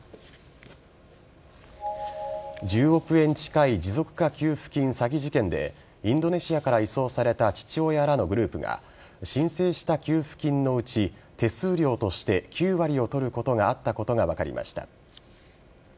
１０億円近い持続化給付金詐欺事件でインドネシアから移送された父親らのグループが申請した給付金のうち手数料として９割を取ることがあったことが分かりました。